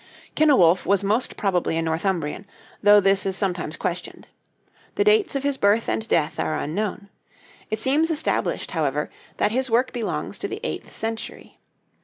Cynewulf was most probably a Northumbrian, though this is sometimes questioned. The dates of his birth and death are unknown. It seems established, however, that his work belongs to the eighth century.